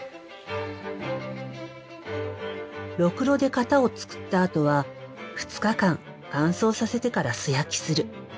ろくろで型を作ったあとは２日間乾燥させてから素焼きする。